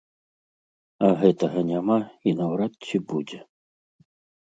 А гэтага няма і наўрад ці будзе.